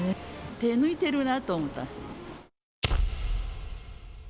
手を抜いてるなと思った。